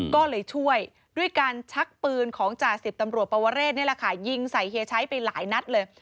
ก็เลยช่วยด้วยการชักปืนของจ่าสิบตำรวจปวเรศนี่แหละค่ะยิงใส่เฮียชัยไปหลายนัดเลย